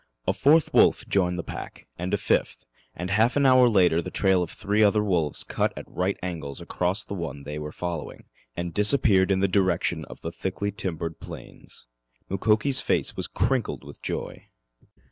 A fourth wolf joined the pack, and a fifth, and half an hour later the trail of three other wolves cut at right angles across the one they were following and disappeared in the direction of the thickly timbered plains. Mukoki's face was crinkled with joy.